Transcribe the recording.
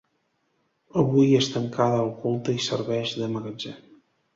Avui és tancada al culte i serveix de magatzem.